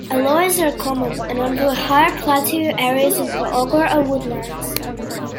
Aloes are common, and on the higher plateau areas of the Ogo are woodlands.